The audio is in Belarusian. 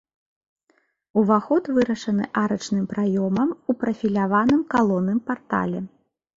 Уваход вырашаны арачным праёмам у прафіляваным калонным партале.